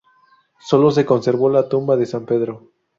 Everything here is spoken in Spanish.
Solo se conservó la tumba de San Pedro.